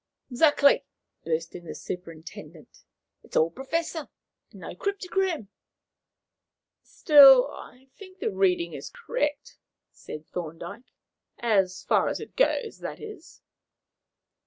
"Exactly," burst in the superintendent; "it's all Professor and no cryptogram." "Still, I think the reading is correct," said Thorndyke. "As far as it goes, that is."